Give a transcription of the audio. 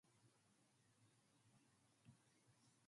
All round lay the black night, speckled and spangled with lights.